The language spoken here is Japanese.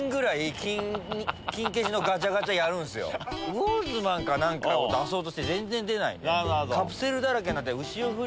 ウォーズマンか何かを出そうとして全然出ない。